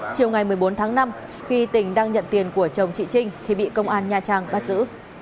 chiều ngày một mươi bốn tháng năm khi tỉnh đang nhận tiền của chồng chị trinh thì bị công an nha trang bắt giữ